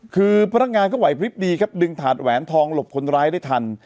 คือพนักงานก็ไหวพลิบดีครับดึงถาดแหวนทองหลบคนร้ายได้ทัน